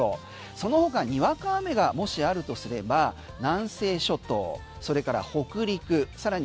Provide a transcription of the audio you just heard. そのほかにわか雨がもしあるとすれば南西諸島、それから北陸さらに